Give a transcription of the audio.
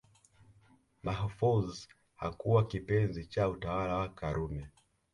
Mahfoudh hakuwa kipenzi cha utawala wa Karume